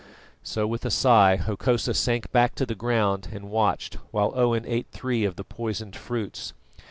So with a sigh Hokosa sank back to the ground and watched while Owen ate three of the poisoned fruits.